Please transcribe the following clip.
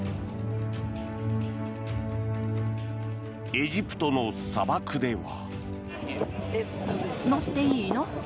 エジプトの砂漠では。